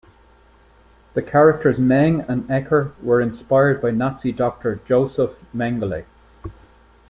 The characters Meng and Ecker were inspired by Nazi doctor Josef Mengele.